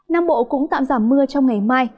nam bộ cũng tạm giảm mưa trong ngày mai